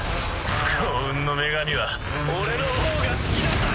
幸運の女神は俺の方が好きだとよ！